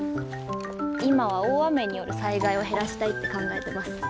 今は大雨による災害を減らしたいって考えてます。